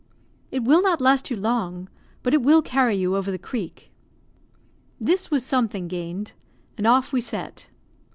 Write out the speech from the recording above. "It will not last you long; but it will carry you over the creek." This was something gained, and off we set.